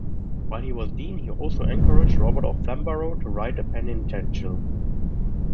While he was dean, he also encouraged Robert of Flamborough to write a penitential.